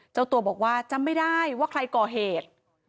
เจ้าตัวบอกว่าจำไม่ได้ว่าใครก่อเหตุ